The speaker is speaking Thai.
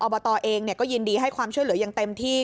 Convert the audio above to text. บตเองก็ยินดีให้ความช่วยเหลืออย่างเต็มที่